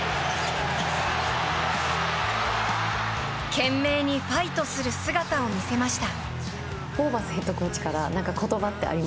懸命にファイトする姿を見せました。